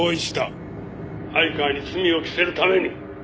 「相川に罪を着せるために」